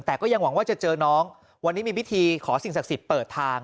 แต่ก็ยังหวังว่าจะเจอน้องวันนี้มีพิธีขอสิ่งศักดิ์สิทธิ์เปิดทาง